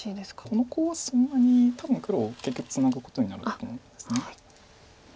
このコウはそんなに多分黒結局ツナぐことになると思うんです。